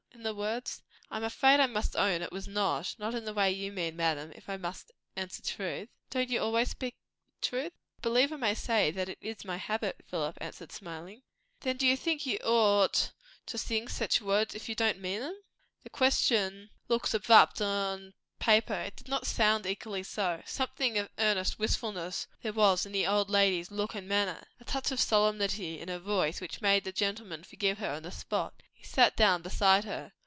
In the words? I am afraid I must own it was not, in the way you mean, madam. If I must answer truth." "Don't you always speak truth?" "I believe I may say, that is my habit," Philip answered, smiling. "Then, do you think you ought to sing sech words, if you don't mean 'em?" The question looks abrupt, on paper. It did not sound equally so. Something of earnest wistfulness there was in the old lady's look and manner, a touch of solemnity in her voice, which made the gentleman forgive her on the spot. He sat down beside her.